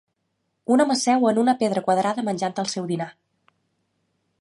Un home seu en una pedra quadrada menjant el seu dinar